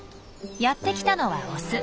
やって来たのはオス。